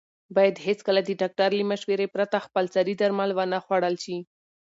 باید هېڅکله د ډاکټر له مشورې پرته خپلسري درمل ونه خوړل شي.